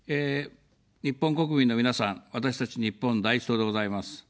日本国民の皆さん、私たち、日本第一党でございます。